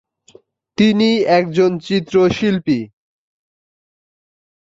তিনি একজন চিত্রশিল্পী।